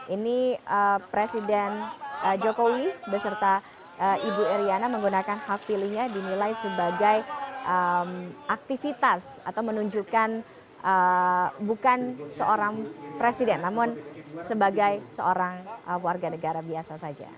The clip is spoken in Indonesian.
ini presiden jokowi beserta ibu iryana menggunakan hak pilihnya dinilai sebagai aktivitas atau menunjukkan bukan seorang presiden namun sebagai seorang warga negara biasa saja